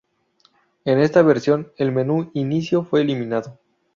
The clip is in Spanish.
En esta versión el Menú Inicio fue eliminado.